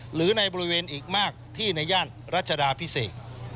หรือในบริเวณอีกมากที่ในย่านรัชดาพิเศษ